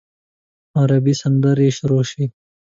عربي سندرې شروع شوې.